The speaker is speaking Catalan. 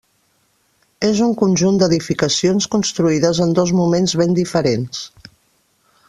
És un conjunt d'edificacions construïdes en dos moments ben diferents.